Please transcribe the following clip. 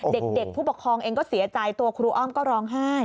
เด็กผู้ปกครองเองก็เสียใจตัวครูอ้อมก็ร้องไห้